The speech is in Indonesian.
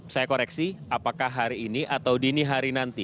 saya koreksi apakah hari ini atau dini hari nanti